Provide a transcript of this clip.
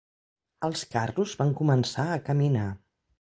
Els carros van començar a caminar